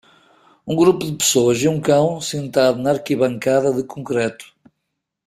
Um grupo de pessoas e um cão sentado na arquibancada de concreto.